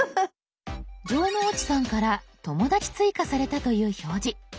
城之内さんから友だち追加されたという表示。